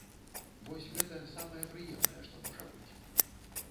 Вось гэта самае прыемнае, што можа быць.